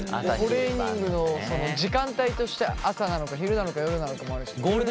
トレーニングのその時間帯として朝なのか昼なのか夜なのかもあるし。